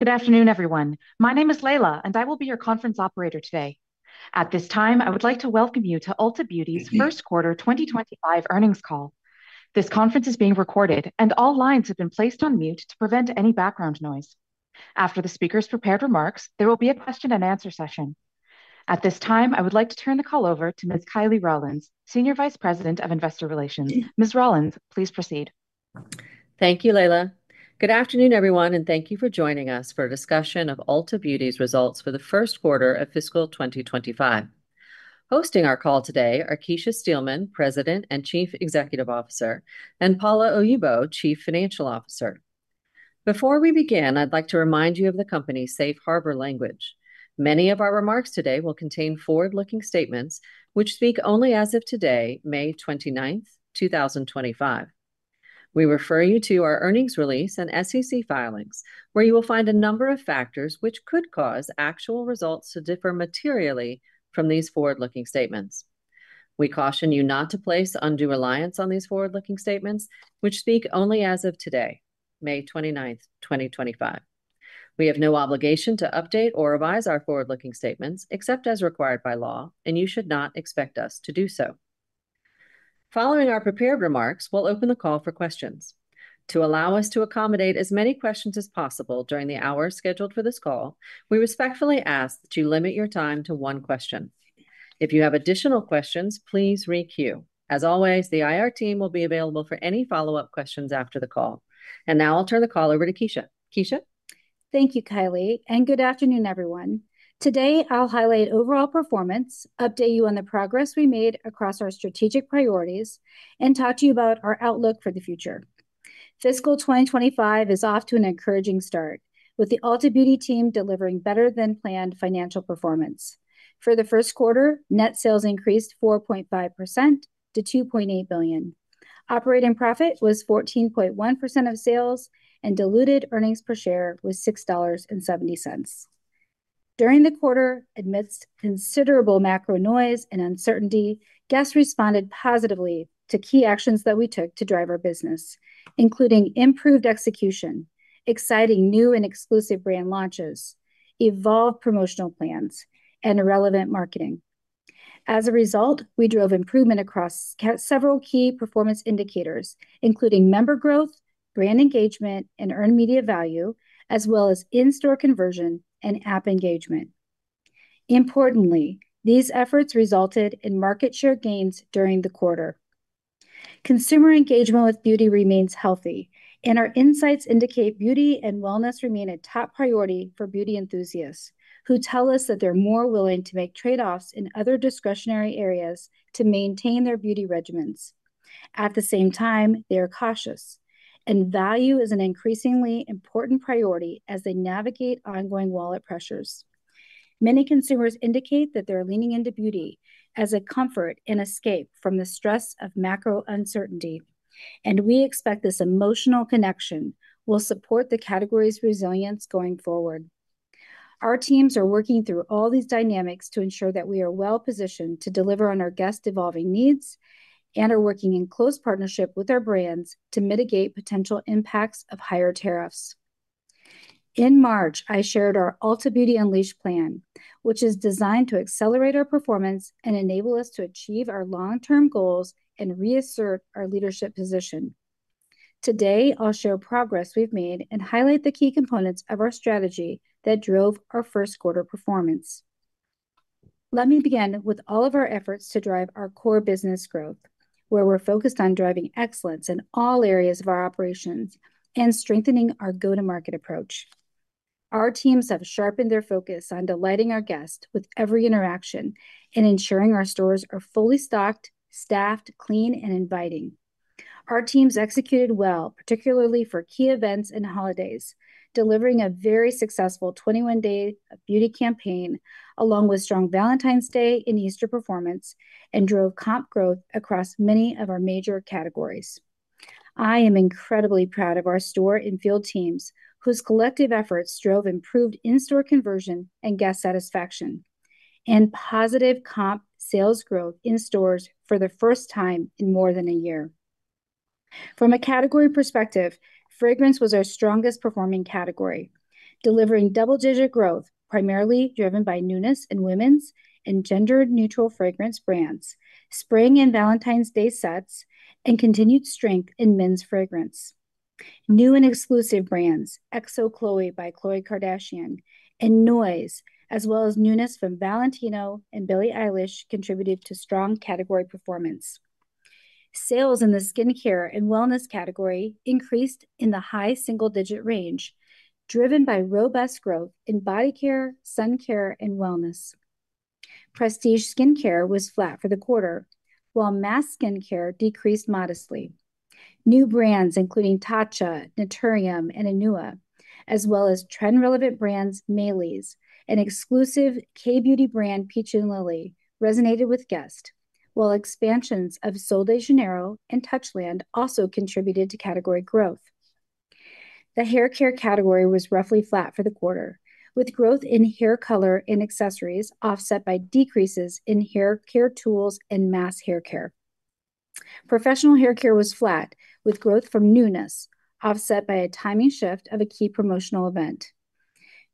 Good afternoon, everyone. My name is Leila, and I will be your conference operator today. At this time, I would like to welcome you to Ulta Beauty's first quarter 2025 earnings call. This conference is being recorded, and all lines have been placed on mute to prevent any background noise. After the speakers prepare remarks, there will be a question-and-answer session. At this time, I would like to turn the call over to Ms. Kiley Rawlins, Senior Vice President of Investor Relations. Ms. Rawlins, please proceed. Thank you, Leila. Good afternoon, everyone, and thank you for joining us for a discussion of Ulta Beauty's results for the first quarter of fiscal 2025. Hosting our call today are Kecia Steelman, President and Chief Executive Officer, and Paula Oyibo, Chief Financial Officer. Before we begin, I'd like to remind you of the company's safe harbor language. Many of our remarks today will contain forward-looking statements, which speak only as of today, May 29, 2025. We refer you to our earnings release and SEC filings, where you will find a number of factors which could cause actual results to differ materially from these forward-looking statements. We caution you not to place undue reliance on these forward-looking statements, which speak only as of today, May 29, 2025. We have no obligation to update or revise our forward-looking statements except as required by law, and you should not expect us to do so. Following our prepared remarks, we'll open the call for questions. To allow us to accommodate as many questions as possible during the hours scheduled for this call, we respectfully ask that you limit your time to one question. If you have additional questions, please re-queue. As always, the IR team will be available for any follow-up questions after the call. Now I'll turn the call over to Kecia. Kecia. Thank you, Kiley, and good afternoon, everyone. Today, I'll highlight overall performance, update you on the progress we made across our strategic priorities, and talk to you about our outlook for the future. Fiscal 2025 is off to an encouraging start, with the Ulta Beauty team delivering better-than-planned financial performance. For the first quarter, net sales increased 4.5% to $2.8 billion. Operating profit was 14.1% of sales, and diluted earnings per share was $6.70. During the quarter, amidst considerable macro noise and uncertainty, guests responded positively to key actions that we took to drive our business, including improved execution, exciting new and exclusive brand launches, evolved promotional plans, and relevant marketing. As a result, we drove improvement across several key performance indicators, including member growth, brand engagement, and earned media value, as well as in-store conversion and app engagement. Importantly, these efforts resulted in market share gains during the quarter. Consumer engagement with beauty remains healthy, and our insights indicate beauty and wellness remain a top priority for beauty enthusiasts, who tell us that they're more willing to make trade-offs in other discretionary areas to maintain their beauty regimens. At the same time, they are cautious, and value is an increasingly important priority as they navigate ongoing wallet pressures. Many consumers indicate that they're leaning into beauty as a comfort and escape from the stress of macro uncertainty, and we expect this emotional connection will support the category's resilience going forward. Our teams are working through all these dynamics to ensure that we are well-positioned to deliver on our guest-evolving needs and are working in close partnership with our brands to mitigate potential impacts of higher tariffs. In March, I shared our Ulta Beauty Unleashed plan, which is designed to accelerate our performance and enable us to achieve our long-term goals and reassert our leadership position. Today, I'll share progress we've made and highlight the key components of our strategy that drove our first quarter performance. Let me begin with all of our efforts to drive our core business growth, where we're focused on driving excellence in all areas of our operations and strengthening our go-to-market approach. Our teams have sharpened their focus on delighting our guests with every interaction and ensuring our stores are fully stocked, staffed, clean, and inviting. Our teams executed well, particularly for key events and holidays, delivering a very successful 21 Days of Beauty campaign along with strong Valentine's Day and Easter performance and drove comp growth across many of our major categories. I am incredibly proud of our store and field teams, whose collective efforts drove improved in-store conversion and guest satisfaction and positive comp sales growth in stores for the first time in more than a year. From a category perspective, fragrance was our strongest-performing category, delivering double-digit growth, primarily driven by newness in women's and gender-neutral fragrance brands, spring and Valentine's Day sets, and continued strength in men's fragrance. New and exclusive brands, XO Khloé by Khloé Kardashian and NYX, as well as newness from Valentino and Billie Eilish, contributed to strong category performance. Sales in the skincare and wellness category increased in the high single-digit range, driven by robust growth in body care, sun care, and wellness. Prestige skincare was flat for the quarter, while mass skincare decreased modestly. New brands, including Tatcha, Naturium, and Anua, as well as trend-relevant brands Maylis and exclusive K-Beauty brand Peach and Lily, resonated with guests, while expansions of Sol de Janeiro and Touchland also contributed to category growth. The hair care category was roughly flat for the quarter, with growth in hair color and accessories offset by decreases in hair care tools and mass hair care. Professional hair care was flat, with growth from Nunes, offset by a timing shift of a key promotional event.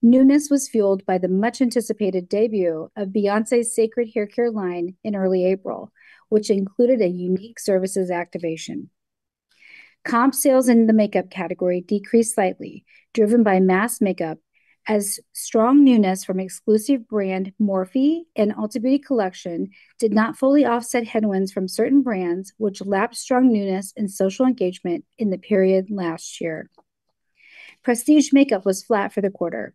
Nunes was fueled by the much-anticipated debut of Beyoncé's Cécred Haircare line in early April, which included a unique services activation. Comp sales in the makeup category decreased slightly, driven by mass makeup, as strong Nunes from exclusive brand Morphe and Ulta Beauty Collection did not fully offset headwinds from certain brands, which lapped strong Nunes and social engagement in the period last year. Prestige makeup was flat for the quarter.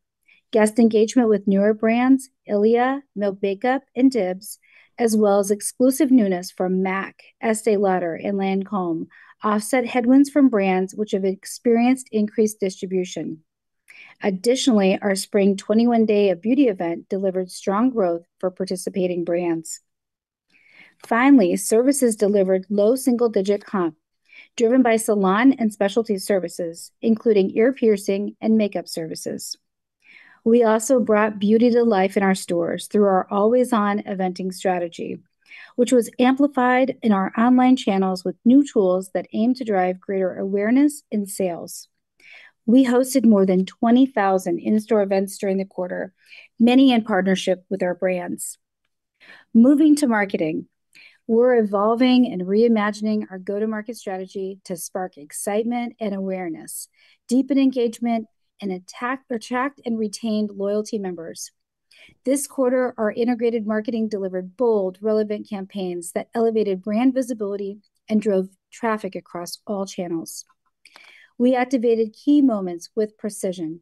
Guest engagement with newer brands, Ilia, Milk Makeup, and Dibs, as well as exclusive launches from MAC, Estée Lauder, and Lancôme, offset headwinds from brands which have experienced increased distribution. Additionally, our spring 21 Days of Beauty event delivered strong growth for participating brands. Finally, services delivered low single-digit comp, driven by salon and specialty services, including ear piercing and makeup services. We also brought beauty to life in our stores through our always-on eventing strategy, which was amplified in our online channels with new tools that aim to drive greater awareness and sales. We hosted more than 20,000 in-store events during the quarter, many in partnership with our brands. Moving to marketing, we are evolving and reimagining our go-to-market strategy to spark excitement and awareness, deepen engagement, and attract and retain loyalty members. This quarter, our integrated marketing delivered bold, relevant campaigns that elevated brand visibility and drove traffic across all channels. We activated key moments with precision.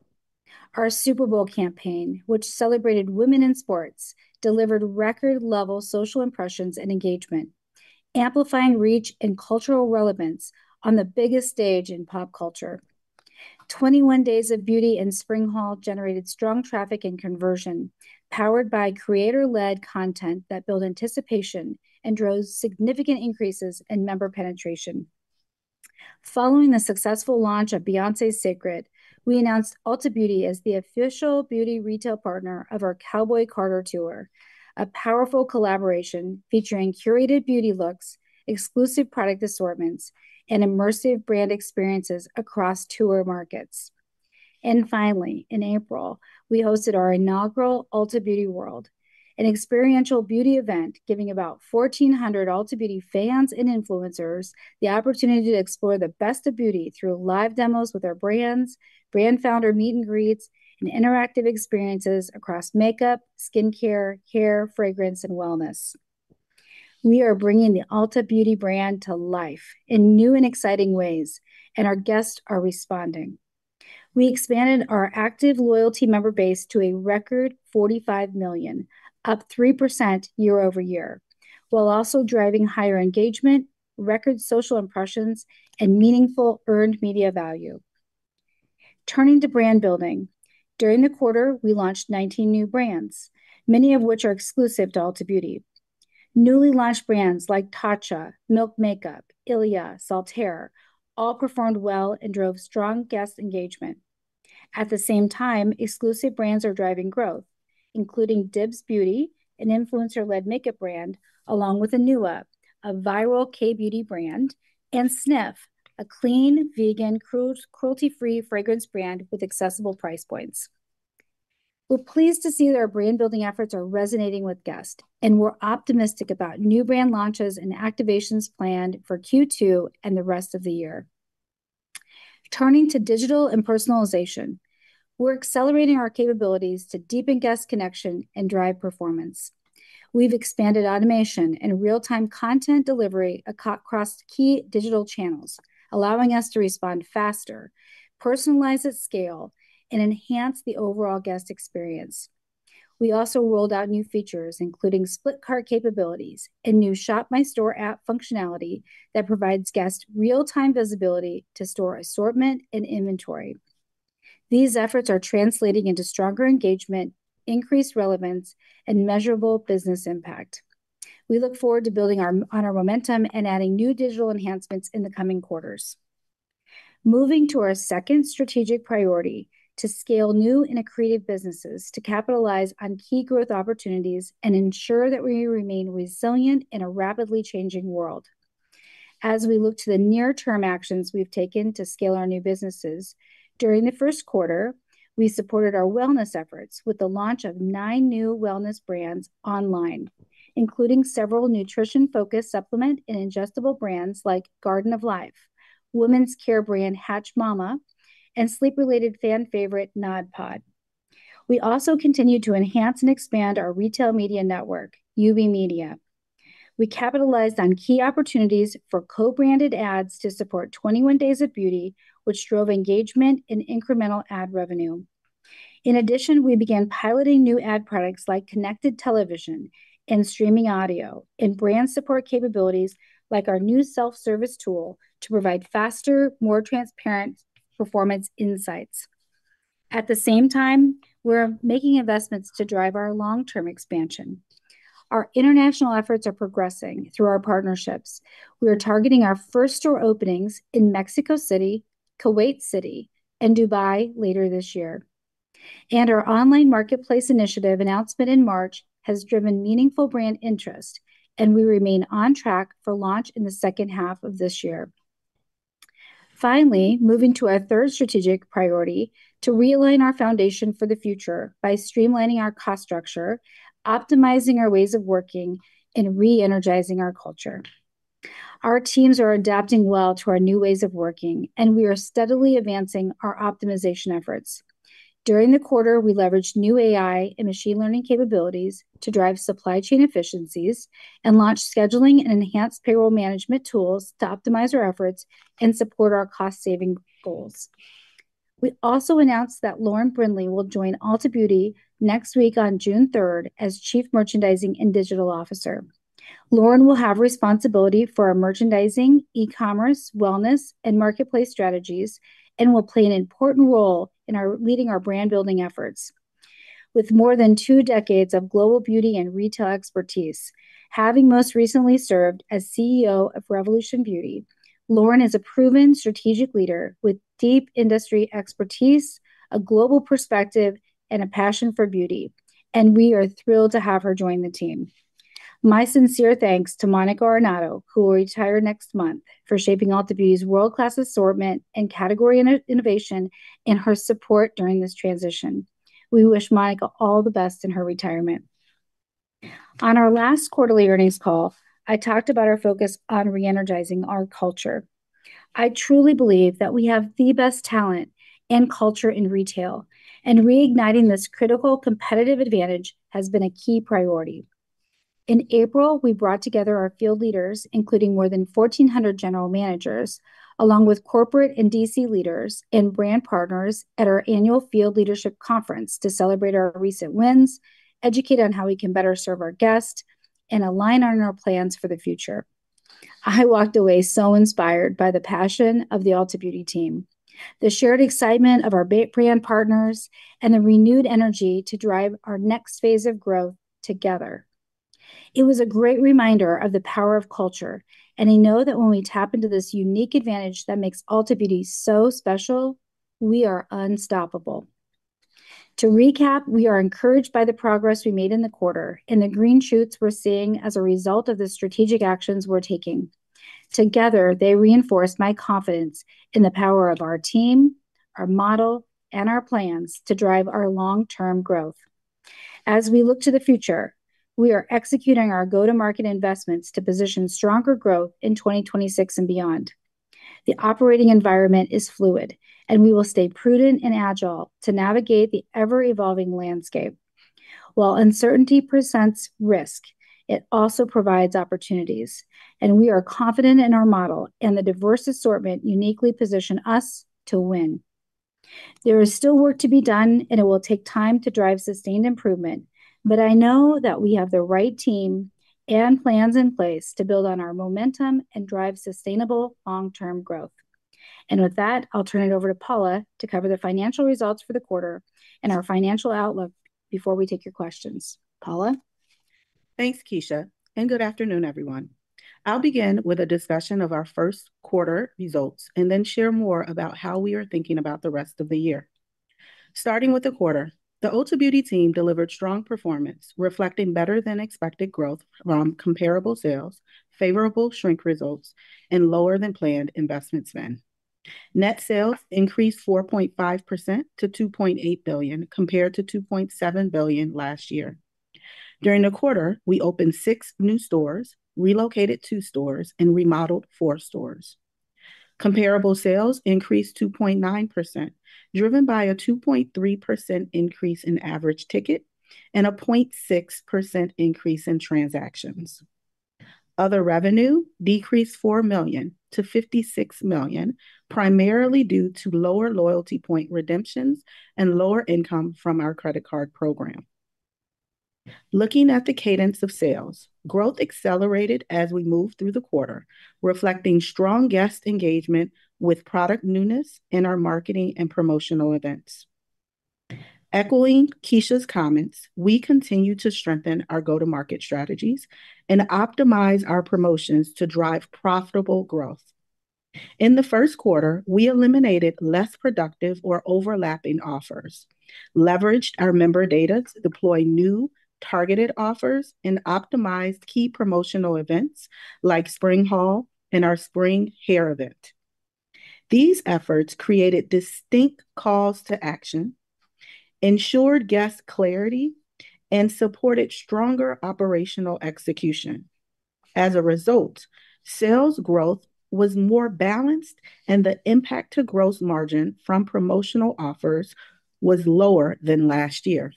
Our Super Bowl campaign, which celebrated women in sports, delivered record-level social impressions and engagement, amplifying reach and cultural relevance on the biggest stage in pop culture. 21 Days of Beauty in Spring Hall generated strong traffic and conversion, powered by creator-led content that built anticipation and drove significant increases in member penetration. Following the successful launch of Beyoncé's Cécred, we announced Ulta Beauty as the official beauty retail partner of our Cowboy Carter tour, a powerful collaboration featuring curated beauty looks, exclusive product assortments, and immersive brand experiences across tour markets. Finally, in April, we hosted our inaugural Ulta Beauty World, an experiential beauty event giving about 1,400 Ulta Beauty fans and influencers the opportunity to explore the best of beauty through live demos with our brands, brand founder meet-and-greets, and interactive experiences across makeup, skincare, hair, fragrance, and wellness. We are bringing the Ulta Beauty brand to life in new and exciting ways, and our guests are responding. We expanded our active loyalty member base to a record 45 million, up 3% year-over-year, while also driving higher engagement, record social impressions, and meaningful earned media value. Turning to brand building, during the quarter, we launched 19 new brands, many of which are exclusive to Ulta Beauty. Newly launched brands like Tatcha, Milk Makeup, Ilia, Salter all performed well and drove strong guest engagement. At the same time, exclusive brands are driving growth, including Dibs Beauty, an influencer-led makeup brand, along with Anua, a viral K-Beauty brand, and Sniff, a clean, vegan, cruelty-free fragrance brand with accessible price points. We're pleased to see that our brand-building efforts are resonating with guests, and we're optimistic about new brand launches and activations planned for Q2 and the rest of the year. Turning to digital and personalization, we're accelerating our capabilities to deepen guest connection and drive performance. We've expanded automation and real-time content delivery across key digital channels, allowing us to respond faster, personalize at scale, and enhance the overall guest experience. We also rolled out new features, including split cart capabilities and new Shop My Store app functionality that provides guests real-time visibility to store assortment and inventory. These efforts are translating into stronger engagement, increased relevance, and measurable business impact. We look forward to building on our momentum and adding new digital enhancements in the coming quarters. Moving to our second strategic priority to scale new and accretive businesses to capitalize on key growth opportunities and ensure that we remain resilient in a rapidly changing world. As we look to the near-term actions we've taken to scale our new businesses, during the first quarter, we supported our wellness efforts with the launch of nine new wellness brands online, including several nutrition-focused supplement and ingestible brands like Garden of Life, women's care brand HATCH Mama, and sleep-related fan favorite nodpod. We also continue to enhance and expand our retail media network, Yubi Media. We capitalized on key opportunities for co-branded ads to support 21 Days of Beauty, which drove engagement and incremental ad revenue. In addition, we began piloting new ad products like connected television and streaming audio and brand support capabilities like our new self-service tool to provide faster, more transparent performance insights. At the same time, we're making investments to drive our long-term expansion. Our international efforts are progressing through our partnerships. We are targeting our first store openings in Mexico City, Kuwait City, and Dubai later this year. Our online marketplace initiative announcement in March has driven meaningful brand interest, and we remain on track for launch in the second half of this year. Finally, moving to our third strategic priority to realign our foundation for the future by streamlining our cost structure, optimizing our ways of working, and re-energizing our culture. Our teams are adapting well to our new ways of working, and we are steadily advancing our optimization efforts. During the quarter, we leveraged new AI and machine learning capabilities to drive supply chain efficiencies and launch scheduling and enhanced payroll management tools to optimize our efforts and support our cost-saving goals. We also announced that Lauren Brindley will join Ulta Beauty next week on June 3rd as Chief Merchandising and Digital Officer. Lauren will have responsibility for our merchandising, e-commerce, wellness, and marketplace strategies and will play an important role in leading our brand-building efforts. With more than two decades of global beauty and retail expertise, having most recently served as CEO of Revolution Beauty, Lauren is a proven strategic leader with deep industry expertise, a global perspective, and a passion for beauty, and we are thrilled to have her join the team. My sincere thanks to Monica Arnaudo, who will retire next month, for shaping Ulta Beauty's world-class assortment and category innovation and her support during this transition. We wish Monica all the best in her retirement. On our last quarterly earnings call, I talked about our focus on re-energizing our culture. I truly believe that we have the best talent and culture in retail, and reigniting this critical competitive advantage has been a key priority. In April, we brought together our field leaders, including more than 1,400 general managers, along with corporate and DC leaders and brand partners at our annual field leadership conference to celebrate our recent wins, educate on how we can better serve our guests, and align on our plans for the future. I walked away so inspired by the passion of the Ulta Beauty team, the shared excitement of our brand partners, and the renewed energy to drive our next phase of growth together. It was a great reminder of the power of culture, and I know that when we tap into this unique advantage that makes Ulta Beauty so special, we are unstoppable. To recap, we are encouraged by the progress we made in the quarter and the green shoots we're seeing as a result of the strategic actions we're taking. Together, they reinforce my confidence in the power of our team, our model, and our plans to drive our long-term growth. As we look to the future, we are executing our go-to-market investments to position stronger growth in 2026 and beyond. The operating environment is fluid, and we will stay prudent and agile to navigate the ever-evolving landscape. While uncertainty presents risk, it also provides opportunities, and we are confident in our model and the diverse assortment uniquely positioned us to win. There is still work to be done, and it will take time to drive sustained improvement, but I know that we have the right team and plans in place to build on our momentum and drive sustainable long-term growth. With that, I'll turn it over to Paula to cover the financial results for the quarter and our financial outlook before we take your questions. Paula. Thanks, Kecia. Good afternoon, everyone. I'll begin with a discussion of our first quarter results and then share more about how we are thinking about the rest of the year. Starting with the quarter, the Ulta Beauty team delivered strong performance, reflecting better-than-expected growth from comparable sales, favorable shrink results, and lower-than-planned investment spend. Net sales increased 4.5% to $2.8 billion compared to $2.7 billion last year. During the quarter, we opened six new stores, relocated two stores, and remodeled four stores. Comparable sales increased 2.9%, driven by a 2.3% increase in average ticket and a 0.6% increase in transactions. Other revenue decreased $4 million to $56 million, primarily due to lower loyalty point redemptions and lower income from our credit card program. Looking at the cadence of sales, growth accelerated as we moved through the quarter, reflecting strong guest engagement with product newness in our marketing and promotional events. Echoing Kecia's comments, we continue to strengthen our go-to-market strategies and optimize our promotions to drive profitable growth. In the first quarter, we eliminated less productive or overlapping offers, leveraged our member data to deploy new targeted offers, and optimized key promotional events like Spring Hall and our spring hair event. These efforts created distinct calls to action, ensured guest clarity, and supported stronger operational execution. As a result, sales growth was more balanced, and the impact to gross margin from promotional offers was lower than last year.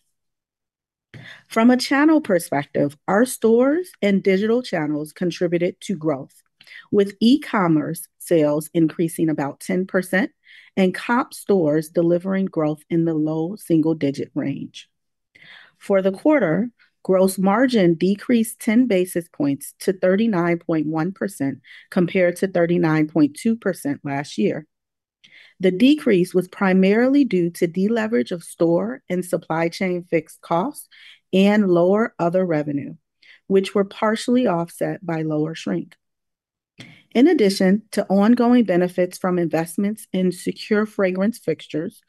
From a channel perspective, our stores and digital channels contributed to growth, with e-commerce sales increasing about 10% and comp stores delivering growth in the low single-digit range. For the quarter, gross margin decreased 10 basis points to 39.1% compared to 39.2% last year. The decrease was primarily due to deleverage of store and supply chain fixed costs and lower other revenue, which were partially offset by lower shrink. In addition to ongoing benefits from investments in secure fragrance fixtures,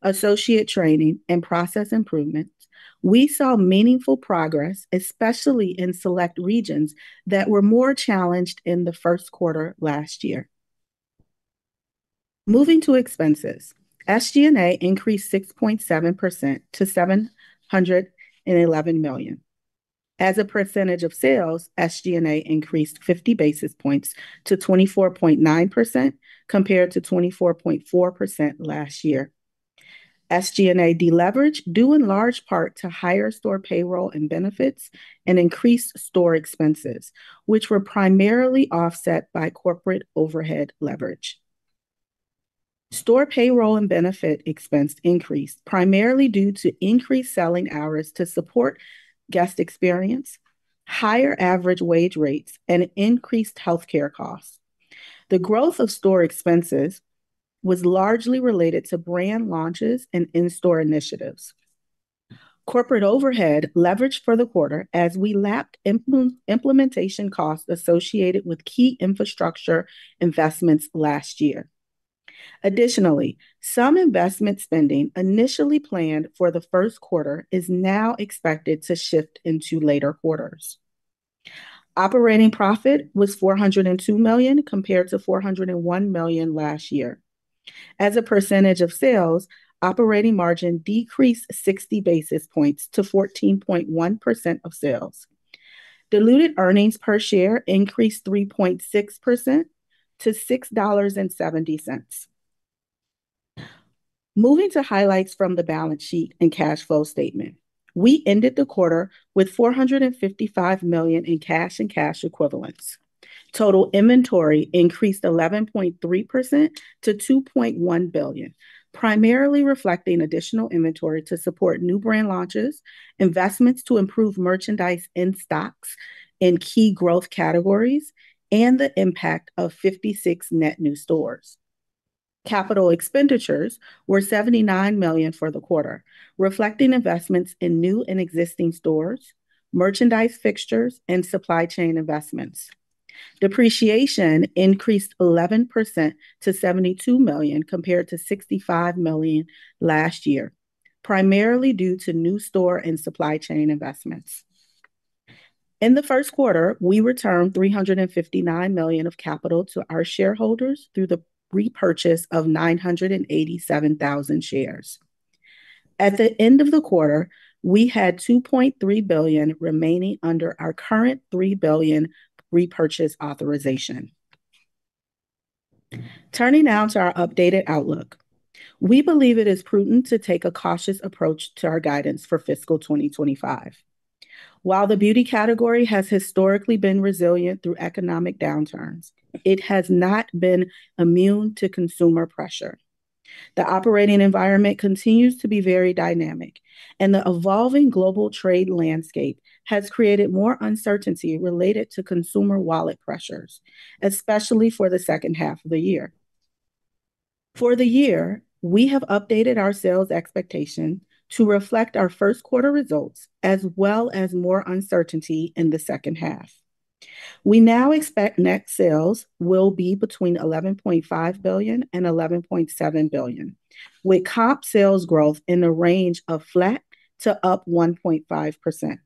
associate training, and process improvements, we saw meaningful progress, especially in select regions that were more challenged in the first quarter last year. Moving to expenses, SG&A increased 6.7% to $711 million. As a percentage of sales, SG&A increased 50 basis points to 24.9% compared to 24.4% last year. SG&A deleveraged due in large part to higher store payroll and benefits and increased store expenses, which were primarily offset by corporate overhead leverage. Store payroll and benefit expense increased primarily due to increased selling hours to support guest experience, higher average wage rates, and increased healthcare costs. The growth of store expenses was largely related to brand launches and in-store initiatives. Corporate overhead leveraged for the quarter as we lapped implementation costs associated with key infrastructure investments last year. Additionally, some investment spending initially planned for the first quarter is now expected to shift into later quarters. Operating profit was $402 million compared to $401 million last year. As a percentage of sales, operating margin decreased 60 basis points to 14.1% of sales. Diluted earnings per share increased 3.6% to $6.70. Moving to highlights from the balance sheet and cash flow statement, we ended the quarter with $455 million in cash and cash equivalents. Total inventory increased 11.3% to $2.1 billion, primarily reflecting additional inventory to support new brand launches, investments to improve merchandise and stocks in key growth categories, and the impact of 56 net new stores. Capital expenditures were $79 million for the quarter, reflecting investments in new and existing stores, merchandise fixtures, and supply chain investments. Depreciation increased 11% to $72 million compared to $65 million last year, primarily due to new store and supply chain investments. In the first quarter, we returned $359 million of capital to our shareholders through the repurchase of 987,000 shares. At the end of the quarter, we had $2.3 billion remaining under our current $3 billion repurchase authorization. Turning now to our updated outlook, we believe it is prudent to take a cautious approach to our guidance for fiscal 2025. While the beauty category has historically been resilient through economic downturns, it has not been immune to consumer pressure. The operating environment continues to be very dynamic, and the evolving global trade landscape has created more uncertainty related to consumer wallet pressures, especially for the second half of the year. For the year, we have updated our sales expectation to reflect our first quarter results as well as more uncertainty in the second half. We now expect net sales will be between $11.5 billion and $11.7 billion, with comp sales growth in the range of flat to up 1.5%.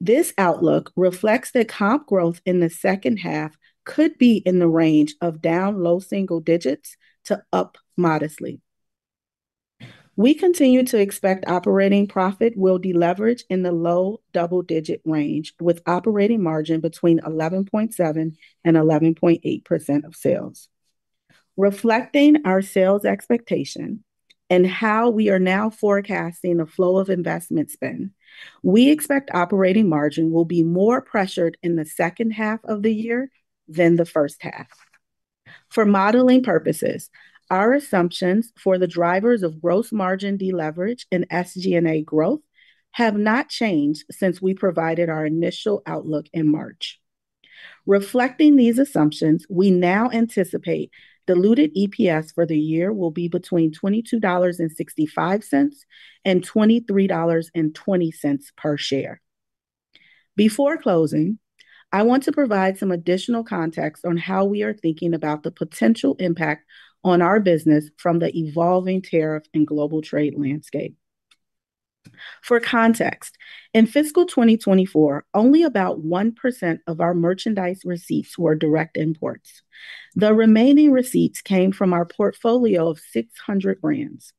This outlook reflects that comp growth in the second half could be in the range of down low single digits to up modestly. We continue to expect operating profit will deleverage in the low double-digit range with operating margin between 11.7% and 11.8% of sales. Reflecting our sales expectation and how we are now forecasting the flow of investment spend, we expect operating margin will be more pressured in the second half of the year than the first half. For modeling purposes, our assumptions for the drivers of gross margin deleverage and SG&A growth have not changed since we provided our initial outlook in March. Reflecting these assumptions, we now anticipate diluted EPS for the year will be between $22.65 and $23.20 per share. Before closing, I want to provide some additional context on how we are thinking about the potential impact on our business from the evolving tariff and global trade landscape. For context, in fiscal 2024, only about 1% of our merchandise receipts were direct imports. The remaining receipts came from our portfolio of 600 brands,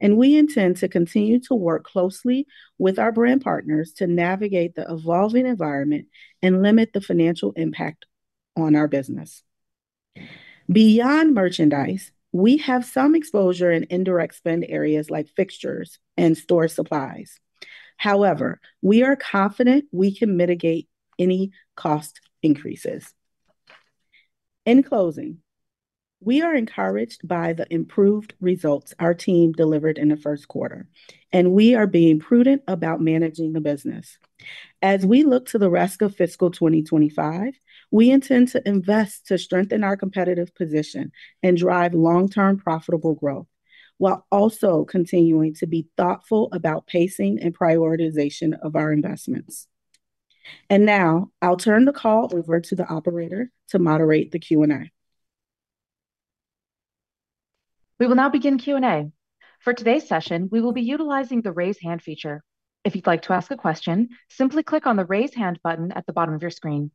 and we intend to continue to work closely with our brand partners to navigate the evolving environment and limit the financial impact on our business. Beyond merchandise, we have some exposure in indirect spend areas like fixtures and store supplies. However, we are confident we can mitigate any cost increases. In closing, we are encouraged by the improved results our team delivered in the first quarter, and we are being prudent about managing the business. As we look to the rest of fiscal 2025, we intend to invest to strengthen our competitive position and drive long-term profitable growth while also continuing to be thoughtful about pacing and prioritization of our investments. I'll turn the call over to the operator to moderate the Q&A. We will now begin Q&A. For today's session, we will be utilizing the raise hand feature. If you'd like to ask a question, simply click on the raise hand button at the bottom of your screen.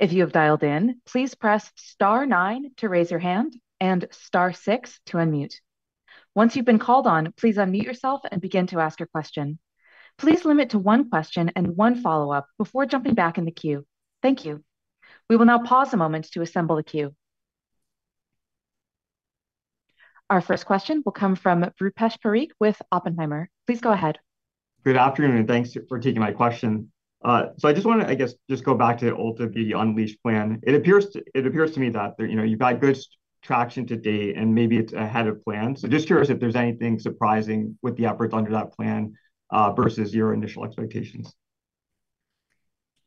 If you have dialed in, please press star nine to raise your hand and star six to unmute. Once you've been called on, please unmute yourself and begin to ask your question. Please limit to one question and one follow-up before jumping back in the queue. Thank you. We will now pause a moment to assemble the queue. Our first question will come from Rupesh Parikh with Oppenheimer. Please go ahead. Good afternoon, and thanks for taking my question. So I just want to, I guess, just go back to the Ulta Beauty Unleashed plan. It appears to me that you've had good traction to date, and maybe it's ahead of plan. Just curious if there's anything surprising with the efforts under that plan versus your initial expectations.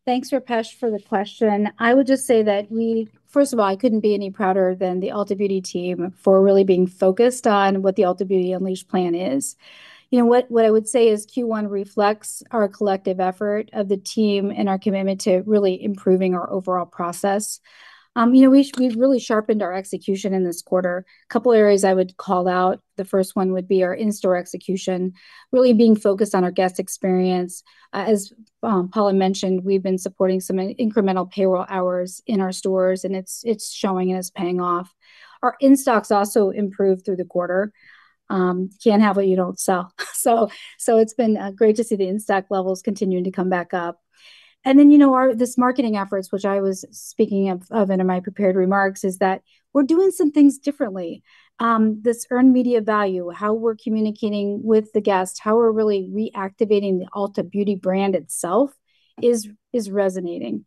Thanks, Rupesh, for the question. I would just say that we, first of all, I couldn't be any prouder than the Ulta Beauty team for really being focused on what the Ulta Beauty Unleashed plan is. You know, what I would say is Q1 reflects our collective effort of the team and our commitment to really improving our overall process. You know, we've really sharpened our execution in this quarter. A couple of areas I would call out. The first one would be our in-store execution, really being focused on our guest experience. As Paula mentioned, we've been supporting some incremental payroll hours in our stores, and it's showing and it's paying off. Our in-stocks also improved through the quarter. Can't have what you don't sell. It's been great to see the in-stock levels continuing to come back up. And then, you know, this marketing efforts, which I was speaking of in my prepared remarks, is that we're doing some things differently. This earned media value, how we're communicating with the guests, how we're really reactivating the Ulta Beauty brand itself is resonating.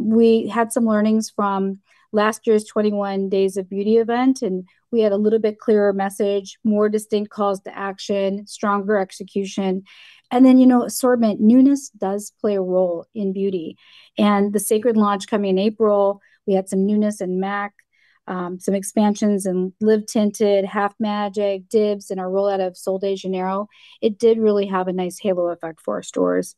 We had some learnings from last year's 21 Days of Beauty event, and we had a little bit clearer message, more distinct calls to action, stronger execution. And then, you know, assortment, newness does play a role in beauty. And the Cécred launch coming in April, we had some newness in MAC, some expansions in Live Tinted, Half Magic, Dibs, and a rollout of Sol de Janeiro. It did really have a nice halo effect for our stores.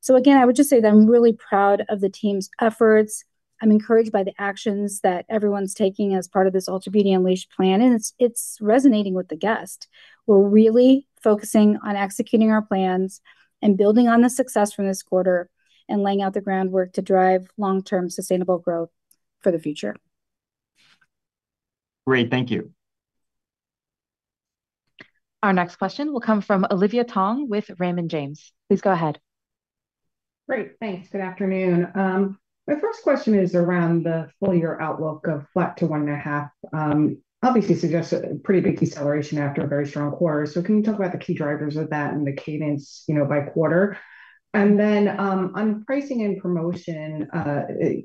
So again, I would just say that I'm really proud of the team's efforts. I'm encouraged by the actions that everyone's taking as part of this Ulta Beauty Unleashed plan, and it's resonating with the guests. We're really focusing on executing our plans and building on the success from this quarter and laying out the groundwork to drive long-term sustainable growth for the future. Great. Thank you. Our next question will come from Olivia Tong with Raymond James. Please go ahead. Great. Thanks. Good afternoon. My first question is around the full year outlook of flat to 1.5%. Obviously, it suggests a pretty big deceleration after a very strong quarter. Can you talk about the key drivers of that and the cadence, you know, by quarter? On pricing and promotion,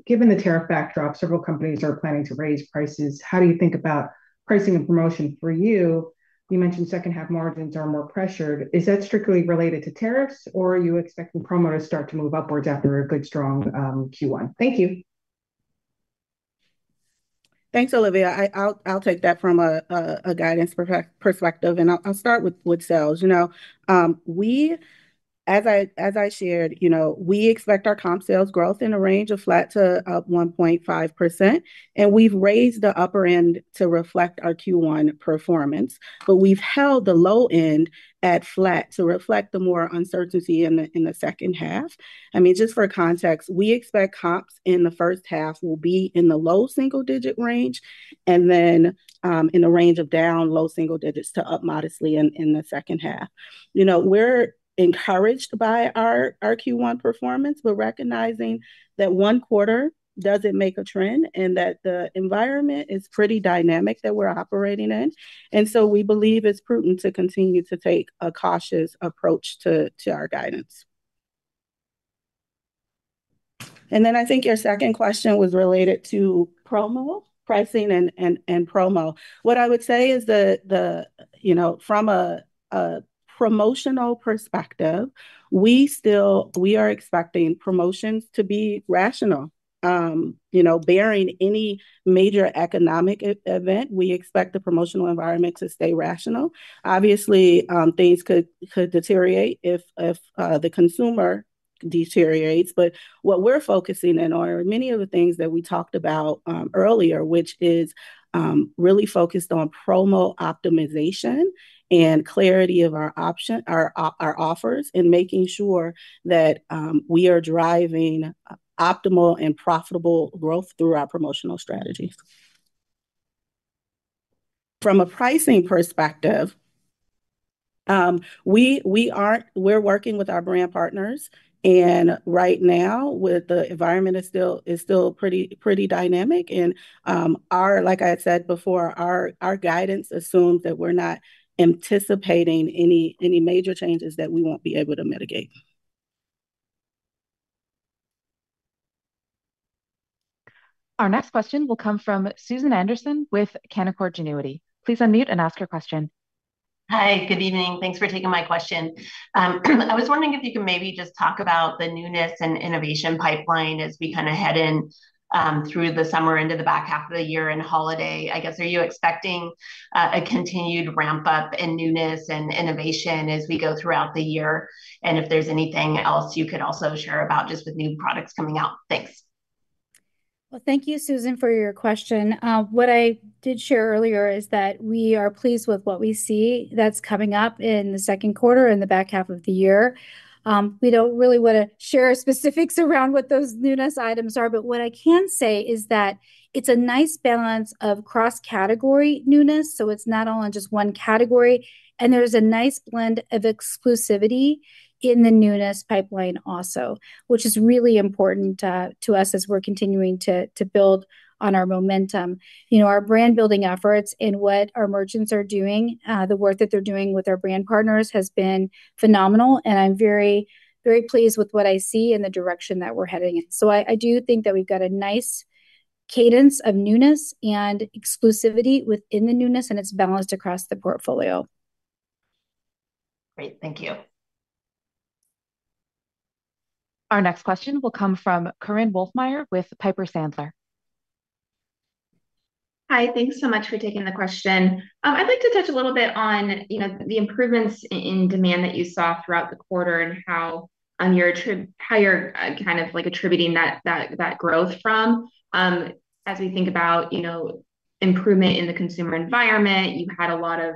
given the tariff backdrop, several companies are planning to raise prices. How do you think about pricing and promotion for you? You mentioned second-half margins are more pressured. Is that strictly related to tariffs, or are you expecting promo to start to move upwards after a good strong Q1? Thank you. Thanks, Olivia. I'll take that from a guidance perspective, and I'll start with sales. You know, as I shared, you know, we expect our comp sales growth in a range of flat to up 1.5%, and we've raised the upper end to reflect our Q1 performance, but we've held the low end at flat to reflect the more uncertainty in the second half. I mean, just for context, we expect comps in the first half will be in the low single-digit range and then in the range of down low single digits to up modestly in the second half. You know, we're encouraged by our Q1 performance, but recognizing that one quarter doesn't make a trend and that the environment is pretty dynamic that we're operating in. We believe it is prudent to continue to take a cautious approach to our guidance. I think your second question was related to promo, pricing, and promo. What I would say is, you know, from a promotional perspective, we still, we are expecting promotions to be rational. You know, barring any major economic event, we expect the promotional environment to stay rational. Obviously, things could deteriorate if the consumer deteriorates, but what we are focusing in are many of the things that we talked about earlier, which is really focused on promo optimization and clarity of our offers and making sure that we are driving optimal and profitable growth through our promotional strategies. From a pricing perspective, we are working with our brand partners, and right now the environment is still pretty dynamic. Like I had said before, our guidance assumes that we're not anticipating any major changes that we won't be able to mitigate. Our next question will come from Susan Anderson with Canaccord Genuity. Please unmute and ask your question. Hi, good evening. Thanks for taking my question. I was wondering if you can maybe just talk about the newness and innovation pipeline as we kind of head in through the summer into the back half of the year and holiday. I guess, are you expecting a continued ramp-up in newness and innovation as we go throughout the year? And if there's anything else you could also share about just with new products coming out. Thanks. Thank you, Susan, for your question. What I did share earlier is that we are pleased with what we see that's coming up in the second quarter and the back half of the year. We do not really want to share specifics around what those newness items are, but what I can say is that it's a nice balance of cross-category newness, so it's not all in just one category. There is a nice blend of exclusivity in the newness pipeline also, which is really important to us as we're continuing to build on our momentum. You know, our brand-building efforts and what our merchants are doing, the work that they're doing with our brand partners has been phenomenal, and I'm very, very pleased with what I see in the direction that we're heading in. So I do think that we've got a nice cadence of newness and exclusivity within the newness, and it's balanced across the portfolio. Great. Thank you. Our next question will come from Korinne Wolfmeyer with Piper Sandler. Hi, thanks so much for taking the question. I'd like to touch a little bit on, you know, the improvements in demand that you saw throughout the quarter and how you're kind of like attributing that growth from. As we think about, you know, improvement in the consumer environment, you had a lot of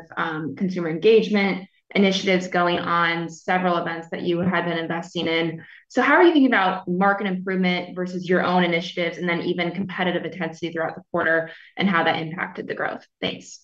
consumer engagement initiatives going on, several events that you had been investing in. So how are you thinking about market improvement versus your own initiatives and then even competitive intensity throughout the quarter and how that impacted the growth? Thanks.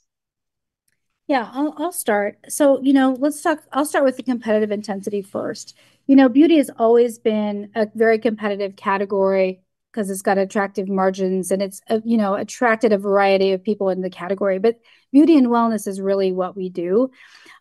Yeah, I'll start. So, you know, let's talk, I'll start with the competitive intensity first. You know, beauty has always been a very competitive category because it's got attractive margins and it's, you know, attracted a variety of people in the category. But beauty and wellness is really what we do.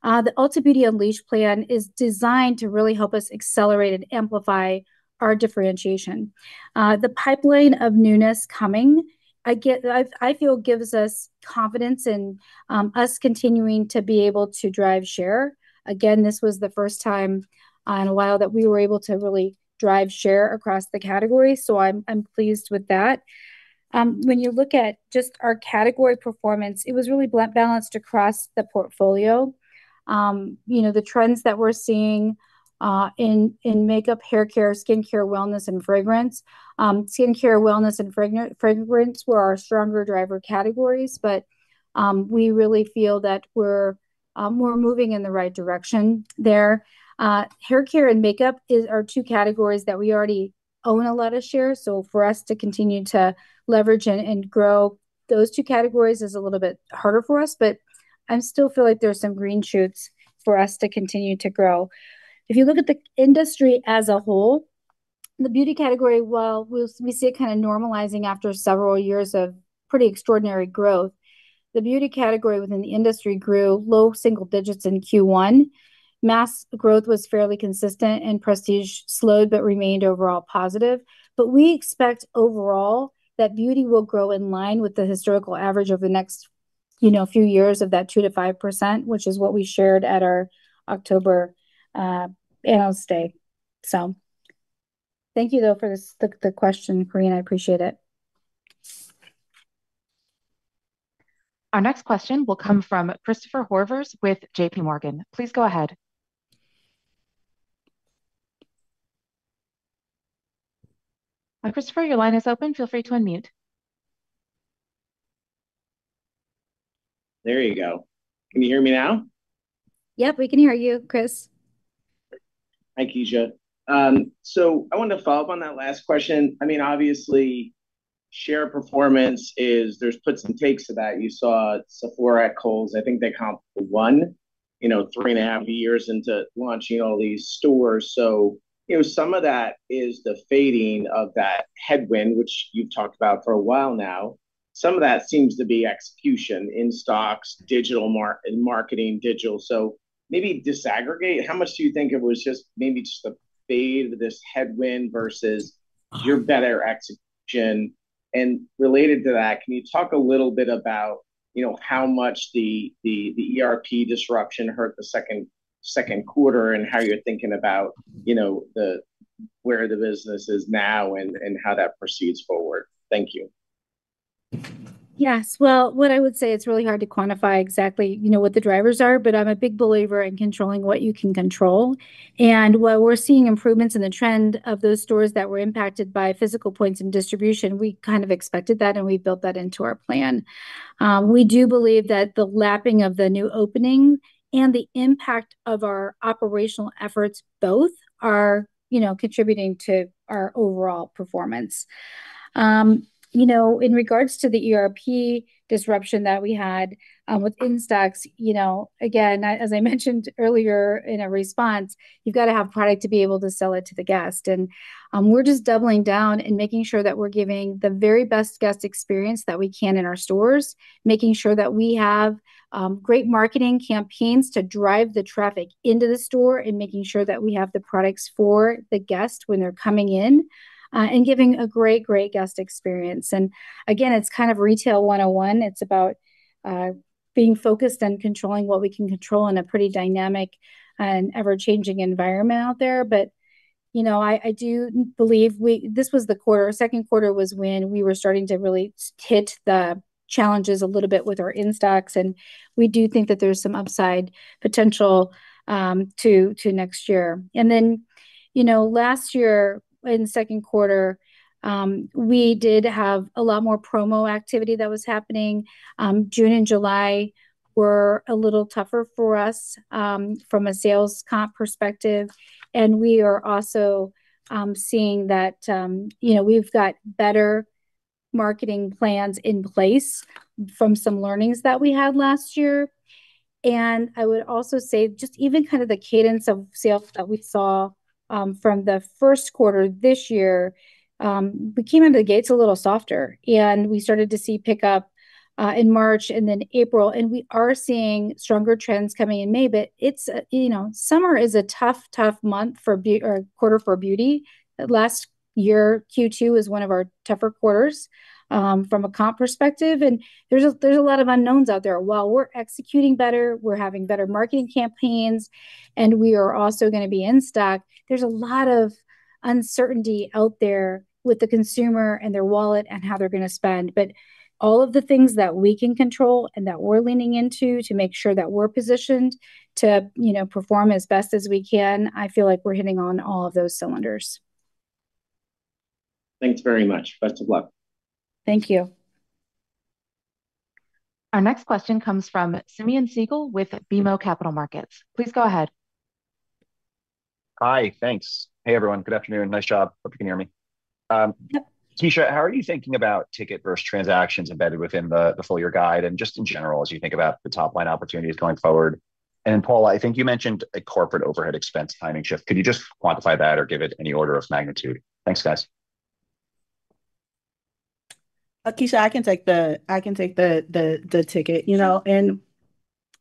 The Ulta Beauty Unleashed plan is designed to really help us accelerate and amplify our differentiation. The pipeline of newness coming, I feel, gives us confidence in us continuing to be able to drive share. Again, this was the first time in a while that we were able to really drive share across the category. I am pleased with that. When you look at just our category performance, it was really balanced across the portfolio. You know, the trends that we're seeing in makeup, haircare, skincare, wellness, and fragrance. Skincare, wellness, and fragrance were our stronger driver categories, but we really feel that we're moving in the right direction there. Haircare and makeup are two categories that we already own a lot of share. For us to continue to leverage and grow those two categories is a little bit harder for us, but I still feel like there's some green shoots for us to continue to grow. If you look at the industry as a whole, the beauty category, we see it kind of normalizing after several years of pretty extraordinary growth. The beauty category within the industry grew low single digits in Q1. Mass growth was fairly consistent and prestige slowed but remained overall positive. We expect overall that beauty will grow in line with the historical average over the next, you know, few years of that 2%-5%, which is what we shared at our October Annual State. Thank you though for the question, Korinne. I appreciate it. Our next question will come from Christopher Horvers with JPMorgan. Please go ahead. Christopher, your line is open. Feel free to unmute. There you go. Can you hear me now? Yep, we can hear you, Chris. Thank you, Kecia. I wanted to follow up on that last question. I mean, obviously, share performance is, there's puts and takes to that. You saw Sephora at Kohl's, I think they comp one, you know, three and a half years into launching all these stores. Some of that is the fading of that headwind, which you've talked about for a while now. Some of that seems to be execution in stocks, digital marketing, digital. Maybe disaggregate, how much do you think it was just maybe just the fade of this headwind versus your better execution? Related to that, can you talk a little bit about, you know, how much the ERP disruption hurt the second quarter and how you're thinking about, you know, where the business is now and how that proceeds forward? Thank you. Yes. What I would say, it's really hard to quantify exactly, you know, what the drivers are, but I'm a big believer in controlling what you can control. While we're seeing improvements in the trend of those stores that were impacted by physical points and distribution, we kind of expected that and we built that into our plan. We do believe that the lapping of the new opening and the impact of our operational efforts both are, you know, contributing to our overall performance. You know, in regards to the ERP disruption that we had with in-stocks, you know, again, as I mentioned earlier in a response, you've got to have product to be able to sell it to the guest. We're just doubling down and making sure that we're giving the very best guest experience that we can in our stores, making sure that we have great marketing campaigns to drive the traffic into the store and making sure that we have the products for the guest when they're coming in and giving a great, great guest experience. Again, it's kind of retail 101. It's about being focused and controlling what we can control in a pretty dynamic and ever-changing environment out there. You know, I do believe this was the quarter, second quarter was when we were starting to really hit the challenges a little bit with our in-stocks. We do think that there's some upside potential to next year. You know, last year in second quarter, we did have a lot more promo activity that was happening. June and July were a little tougher for us from a sales comp perspective. We are also seeing that, you know, we've got better marketing plans in place from some learnings that we had last year. I would also say just even kind of the cadence of sales that we saw from the first quarter this year, we came into the gates a little softer. We started to see pickup in March and then April. We are seeing stronger trends coming in May, but it's, you know, summer is a tough, tough month for beauty or quarter for beauty. Last year, Q2 was one of our tougher quarters from a comp perspective. There is a lot of unknowns out there. While we're executing better, we're having better marketing campaigns, and we are also going to be in stock. There is a lot of uncertainty out there with the consumer and their wallet and how they're going to spend. All of the things that we can control and that we're leaning into to make sure that we're positioned to, you know, perform as best as we can, I feel like we're hitting on all of those cylinders. Thanks very much. Best of luck. Thank you. Our next question comes from Simeon Siegel with BMO Capital Markets. Please go ahead. Hi, thanks. Hey everyone, good afternoon. Nice job. Hope you can hear me. Kecia, how are you thinking about ticket versus transactions embedded within the full year guide and just in general as you think about the top line opportunities going forward? Paula, I think you mentioned a corporate overhead expense timing shift. Could you just quantify that or give it any order of magnitude? Thanks, guys. Kecia, I can take the, I can take the ticket, you know.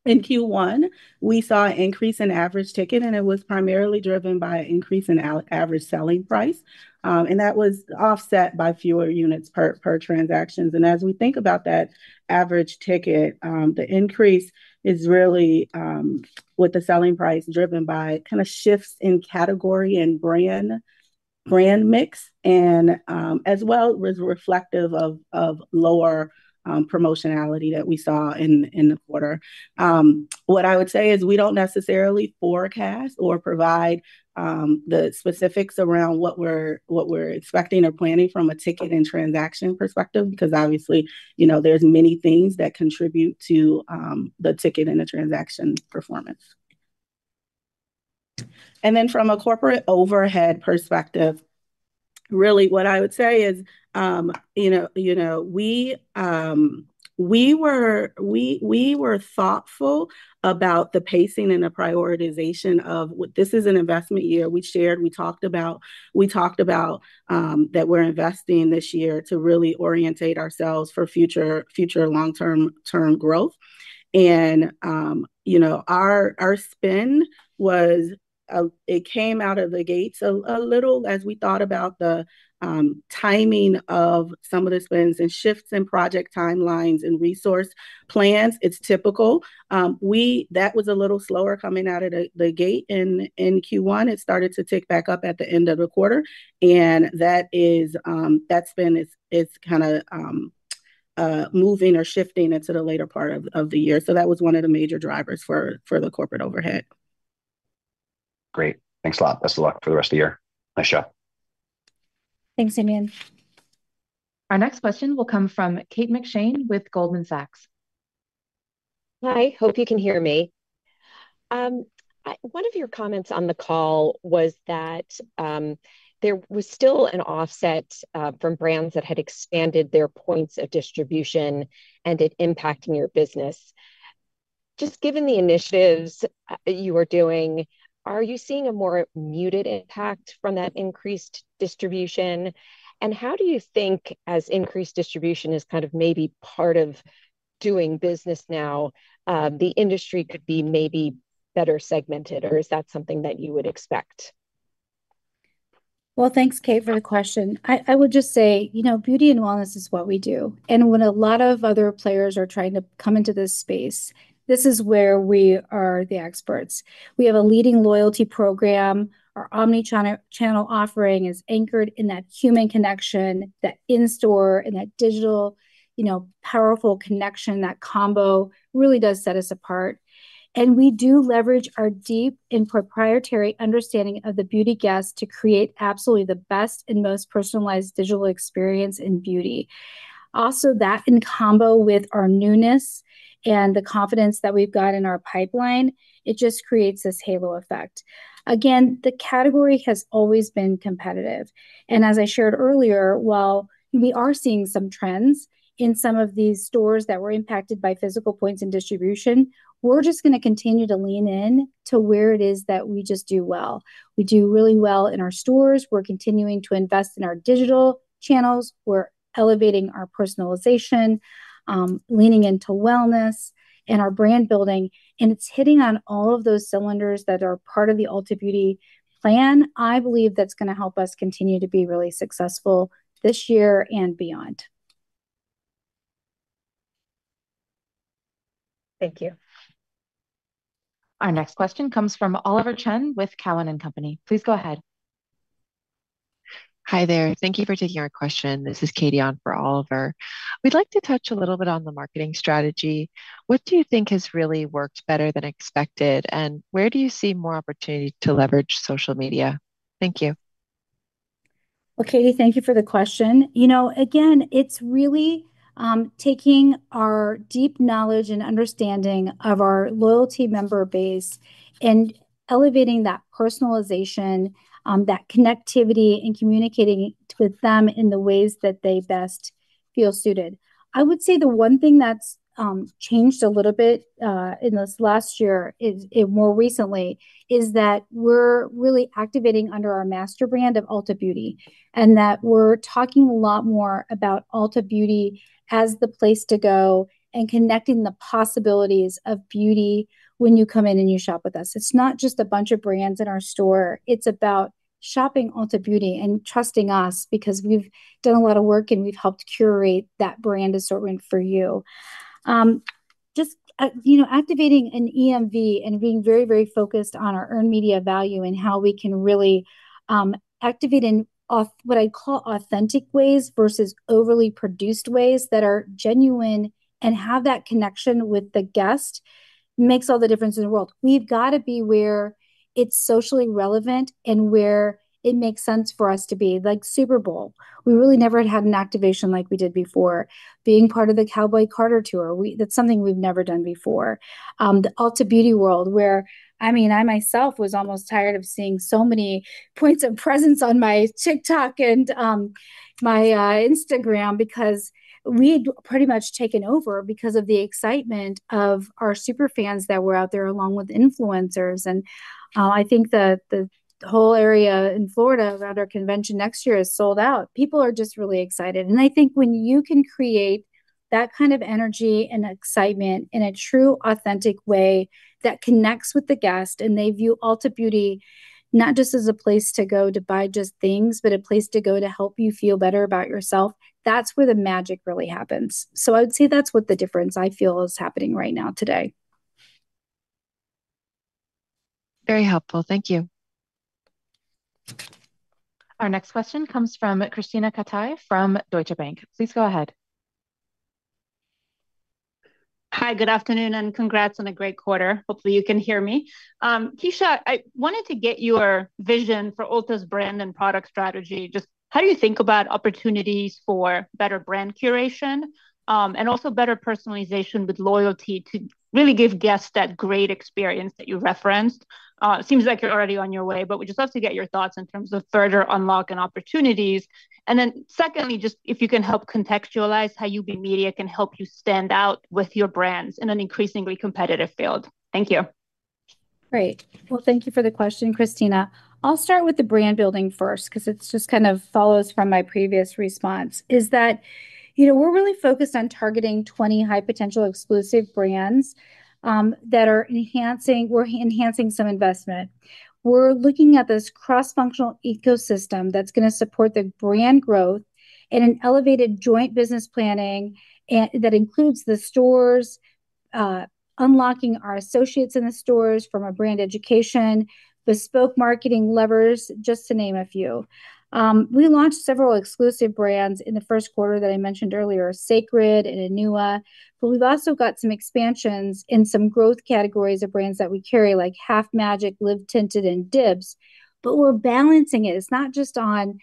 In Q1, we saw an increase in average ticket, and it was primarily driven by an increase in average selling price. That was offset by fewer units per transactions. As we think about that average ticket, the increase is really with the selling price driven by kind of shifts in category and brand mix, and as well was reflective of lower promotionality that we saw in the quarter. What I would say is we do not necessarily forecast or provide the specifics around what we are expecting or planning from a ticket and transaction perspective, because obviously, you know, there are many things that contribute to the ticket and the transaction performance. From a corporate overhead perspective, really what I would say is, you know, we were thoughtful about the pacing and the prioritization of this is an investment year. We shared, we talked about, we talked about that we are investing this year to really orientate ourselves for future long-term growth. You know, our spend was, it came out of the gates a little as we thought about the timing of some of the spends and shifts in project timelines and resource plans. It is typical. That was a little slower coming out of the gate in Q1. It started to tick back up at the end of the quarter. That spend is kind of moving or shifting into the later part of the year. That was one of the major drivers for the corporate overhead. Great. Thanks a lot. Best of luck for the rest of the year. Nice show. Thanks, Simeon. Our next question will come from Kate McShane with Goldman Sachs. Hi, hope you can hear me. One of your comments on the call was that there was still an offset from brands that had expanded their points of distribution and it impacting your business. Just given the initiatives you were doing, are you seeing a more muted impact from that increased distribution? How do you think as increased distribution is kind of maybe part of doing business now, the industry could be maybe better segmented, or is that something that you would expect? Thanks, Kate, for the question. I would just say, you know, beauty and wellness is what we do. And when a lot of other players are trying to come into this space, this is where we are the experts. We have a leading loyalty program. Our omnichannel offering is anchored in that human connection, that in-store and that digital, you know, powerful connection, that combo really does set us apart. We do leverage our deep and proprietary understanding of the beauty guest to create absolutely the best and most personalized digital experience in beauty. Also, that in combo with our newness and the confidence that we've got in our pipeline, it just creates this halo effect. Again, the category has always been competitive. As I shared earlier, while we are seeing some trends in some of these stores that were impacted by physical points and distribution, we're just going to continue to lean in to where it is that we just do well. We do really well in our stores. We're continuing to invest in our digital channels. We're elevating our personalization, leaning into wellness and our brand building. It's hitting on all of those cylinders that are part of the Ulta Beauty plan. I believe that's going to help us continue to be really successful this year and beyond. Thank you. Our next question comes from Oliver Chen with Kellen and Company. Please go ahead. Hi there. Thank you for taking our question. This is Katie on for Oliver. We'd like to touch a little bit on the marketing strategy. What do you think has really worked better than expected? Where do you see more opportunity to leverage social media? Thank you. Katie, thank you for the question. You know, again, it's really taking our deep knowledge and understanding of our loyalty member base and elevating that personalization, that connectivity, and communicating with them in the ways that they best feel suited. I would say the one thing that's changed a little bit in this last year and more recently is that we're really activating under our master brand of Ulta Beauty and that we're talking a lot more about Ulta Beauty as the place to go and connecting the possibilities of beauty when you come in and you shop with us. It's not just a bunch of brands in our store. It's about shopping Ulta Beauty and trusting us because we've done a lot of work and we've helped curate that brand assortment for you. Just, you know, activating an EMV and being very, very focused on our earned media value and how we can really activate in what I call authentic ways versus overly produced ways that are genuine and have that connection with the guest makes all the difference in the world. We've got to be where it's socially relevant and where it makes sense for us to be. Like Super Bowl, we really never had an activation like we did before. Being part of the Cowboy Carter tour, that's something we've never done before. The Ulta Beauty world where, I mean, I myself was almost tired of seeing so many points of presence on my TikTok and my Instagram because we had pretty much taken over because of the excitement of our super fans that were out there along with influencers. I think the whole area in Florida around our convention next year is sold out. People are just really excited. I think when you can create that kind of energy and excitement in a true authentic way that connects with the guest and they view Ulta Beauty not just as a place to go to buy just things, but a place to go to help you feel better about yourself, that's where the magic really happens. I would say that's what the difference I feel is happening right now today. Very helpful. Thank you. Our next question comes from Krisztina Katai from Deutsche Bank. Please go ahead. Hi, good afternoon and congrats on a great quarter. Hopefully you can hear me. Kecia, I wanted to get your vision for Ulta's brand and product strategy. Just how do you think about opportunities for better brand curation and also better personalization with loyalty to really give guests that great experience that you referenced? It seems like you're already on your way, but we just love to get your thoughts in terms of further unlock and opportunities. Secondly, just if you can help contextualize how UB Media can help you stand out with your brands in an increasingly competitive field. Thank you. Great. Thank you for the question, Krisztina. I'll start with the brand building first because it just kind of follows from my previous response. Is that, you know, we're really focused on targeting 20 high potential exclusive brands that are enhancing, we're enhancing some investment. We're looking at this cross-functional ecosystem that's going to support the brand growth and an elevated joint business planning that includes the stores, unlocking our associates in the stores from a brand education, bespoke marketing levers, just to name a few. We launched several exclusive brands in the first quarter that I mentioned earlier, Cécred and Anua, but we've also got some expansions in some growth categories of brands that we carry like Half Magic, Live Tinted, and Dibs. We're balancing it. It's not just on